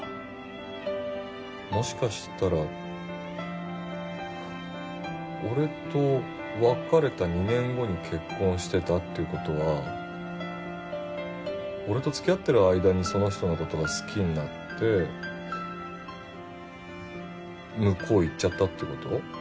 もしかしたら俺と別れた２年後に結婚してたっていう事は俺と付き合ってる間にその人の事を好きになって向こう行っちゃったっていう事？